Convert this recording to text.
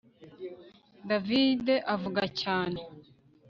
David avuga cyane